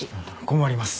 困ります。